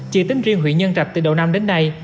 chỉ tính riêng huyện nhân trạch từ đầu năm đến nay